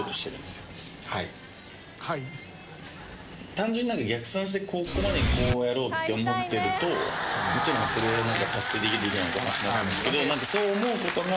単純に逆算してここまでにこうやろうって思ってるといつもそれをなんか達成できるできないって話になるんですけどそう思うことが。